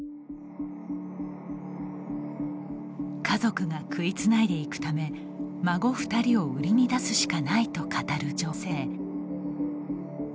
家族が食いつないでいくため孫２人を売りに出すしかないと語る女性。